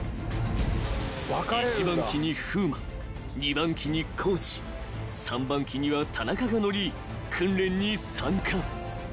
［１番機に風磨２番機に地３番機には田中が乗り訓練に参加］